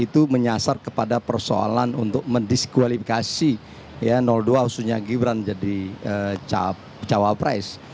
itu menyasar kepada persoalan untuk mendiskualifikasi ya dua khususnya gibran jadi cawapres